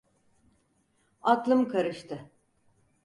Aklım karıştı.